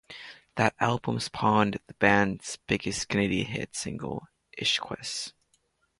That album spawned the band's biggest Canadian hit single, "Ishkuess".